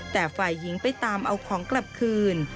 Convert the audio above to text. แต่ฝ่ายหญิงไปตามเอาของกลับคืน